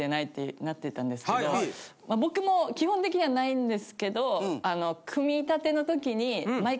僕も基本的にはないんですけど。